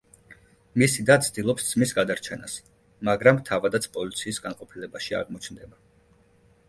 მისი და ცდილობს ძმის გადარჩენას, მაგრამ თავადაც პოლიციის განყოფილებაში აღმოჩნდება.